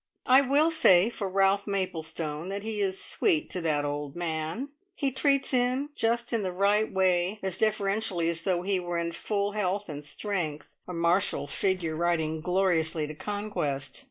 I will say for Ralph Maplestone that he is sweet to that old man! He treats him just in the right way, as deferentially as though he were in full health and strength, a martial figure riding gloriously to conquest!